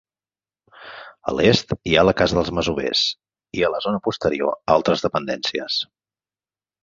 A l'est hi ha la casa dels masovers, i a la zona posterior altres dependències.